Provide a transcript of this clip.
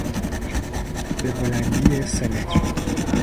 به بلندی سه متر